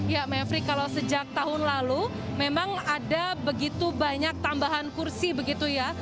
ya mevri kalau sejak tahun lalu memang ada begitu banyak tambahan kursi begitu ya